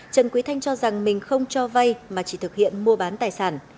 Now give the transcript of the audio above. trần quý thanh cho rằng mình không cho vay mà chỉ thực hiện mua bán tài sản